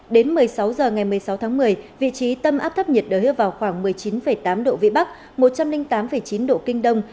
đến một mươi sáu h ngày một mươi sáu tháng một mươi vị trí tâm áp thấp nhiệt đới ở vào khoảng một mươi chín tám độ vĩ bắc một trăm linh tám chín độ kinh đông